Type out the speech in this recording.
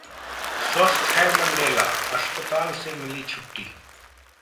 स्वस्थ हैं मंडेला, अस्पताल से मिली छुट्टी